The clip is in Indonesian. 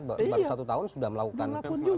baru satu tahun sudah melakukan